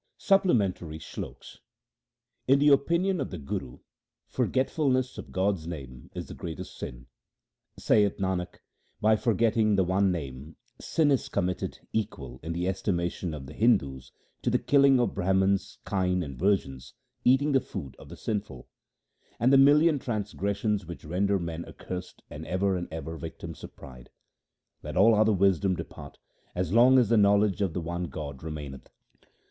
Supplementary Sloks In the opinion of the Guru forgetfulness of God's name is the greatest sin. Saith Nanak, by forgetting the one Name sin is com mitted equal in the estimation of the Hindus to the killing of Brahmans, kine, and virgins, eating the food of the sinful, And the million transgressions which render men accursed and ever and ever victims of pride. Let all other wisdom depart, as long as the knowledge of the one God remaineth.